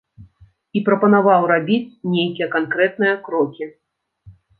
І прапанаваў рабіць нейкія канкрэтныя крокі.